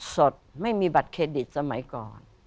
สดไม่มีบัตรเครดิตสมัยก่อน